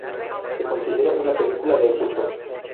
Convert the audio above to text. Se considera una película de culto.